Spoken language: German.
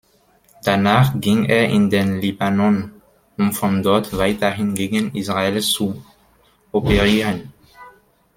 Danach ging er in den Libanon, um von dort weiterhin gegen Israel zu operieren.